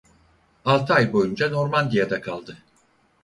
Altı ay boyunca Normandiya'da kaldı.